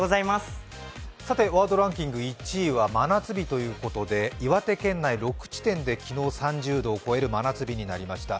ワードランキング１位は真夏日ということで岩手県内６地点で昨日、３０度を超える真夏日になりました。